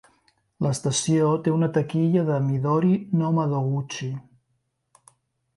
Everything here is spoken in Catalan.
L'estació té una taquilla de "Midori no Madoguchi".